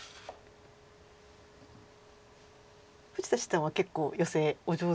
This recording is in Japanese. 富士田七段は結構ヨセお上手ですよね。